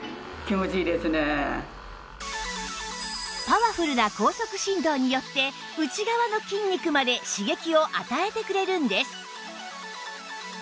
パワフルな高速振動によって内側の筋肉まで刺激を与えてくれるんです